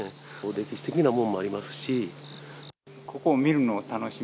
歴史的なもんもありますし。